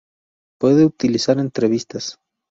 Puede utilizar entrevistas.